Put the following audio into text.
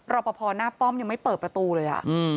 รอปภหน้าป้อมยังไม่เปิดประตูเลย